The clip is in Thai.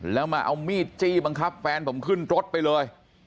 แล้วมาเอามีดจี้บังคับแฟนผมขึ้นรถไปเลย